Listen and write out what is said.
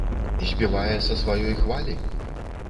Збівае са сваёй хвалі?